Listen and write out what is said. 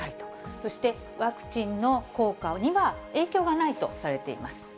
そして、ワクチンの効果には影響がないとされています。